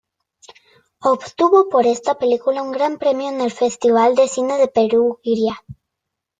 Obtuvo por esta película un gran premio en el Festival de Cine de Perugia.